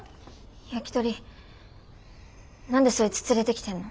ヤキトリ何でそいつ連れてきてんの？